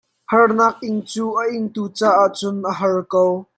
Harnak ing cu a ingtu caah cun a har ko.